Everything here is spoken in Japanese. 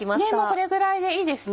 これぐらいでいいですね。